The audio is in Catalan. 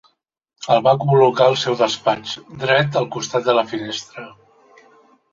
El va col·locar al seu despatx, dret al costat de la finestra.